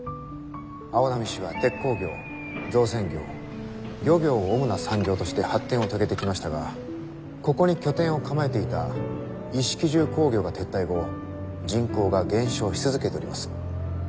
青波市は鉄鋼業造船業漁業を主な産業として発展を遂げてきましたがここに拠点を構えていた一色重工業が撤退後人口が減少し続けております。